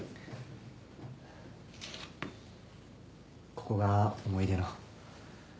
ここが思い出の？